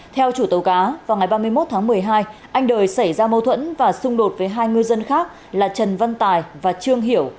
theo chủ tàu cá vào ngày ba mươi một tháng một mươi hai anh đời xảy ra mâu thuẫn và xung đột với hai ngư dân khác là trần văn tài và trương hiểu